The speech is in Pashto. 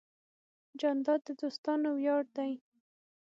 جانداد د دوستانو ویاړ دی.